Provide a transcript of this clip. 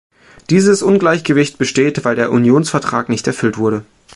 Dieses Ungleichgewicht besteht, weil der Unionsvertrag nicht erfüllt wurde.